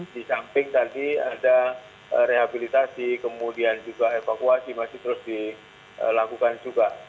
di samping tadi ada rehabilitasi kemudian juga evakuasi masih terus dilakukan juga